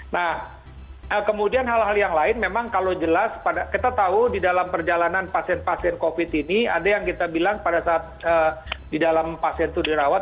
nah kemudian hal hal yang lain memang kalau jelas kita tahu di dalam perjalanan pasien pasien covid ini ada yang kita bilang pada saat di dalam pasien itu dirawat